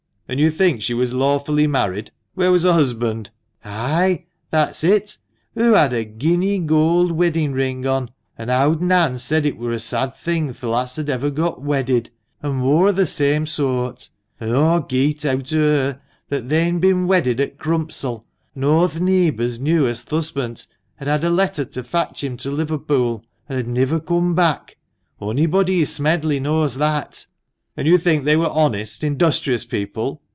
"And you think she was lawfully married? Where was her husband ?"" Ay ! that's it ! Hoo had a guinea goold weddin' ring on ; an' owd Nan said it wur a sad thing th' lass had ever got wedded, an' moore o' the same soort. An' aw geet eawt o' her that they'n bin wedded at Crumpsall, an' a' th' neebors knew THE MANCHESTER MAN. 75 as th' husbant had had a letter to fatch him to Liverpool, an' had niver come back. Onybody i' Smedley knows that!" "And you think they were honest, industrious people?"